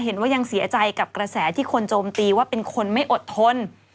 ยังเสียใจกับกระแสที่คนโจมตีว่าเป็นคนไม่อดทน